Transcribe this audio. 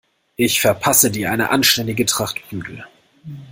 Ich verpasse dir eine anständige Tracht Prügel.